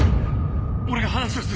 俺が話をする。